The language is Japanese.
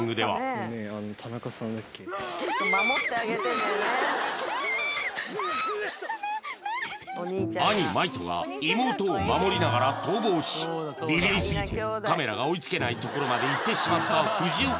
あの田中さんだっけ兄真威人が妹を守りながら逃亡しビビりすぎてカメラが追いつけないところまで行ってしまった藤岡